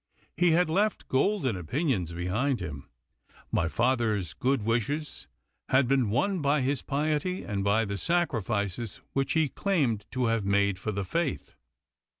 He had left golden opinions behind him. My father's good wishes had been won by his piety and by the sacrifices which he claimed to have made for the faith.